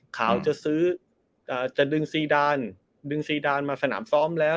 ข่าวจะซื้อจะดึงซีดานดึงซีดานมาสนามซ้อมแล้ว